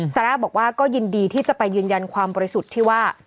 ซาร่าบอกว่าก็ยินดีที่จะไปยืนยันความบริสุทธิ์ที่ว่า